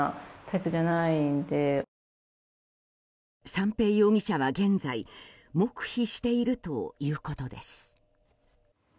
三瓶容疑者は現在黙秘しているということです。